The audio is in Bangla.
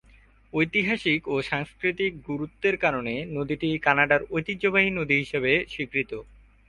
ঐতিহাসিক ও সাংস্কৃতিক গুরুত্বের কারণে নদীটি কানাডার ঐতিহ্যবাহী নদী হিসেবে স্বীকৃত।